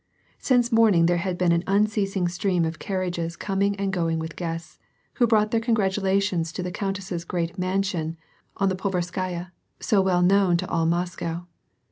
Since morning there had been an unceasing stream of carriages coming and going with guests, who brought their congratulations to the countess's great mansion on the Povar skaya, so well known to all Moscow.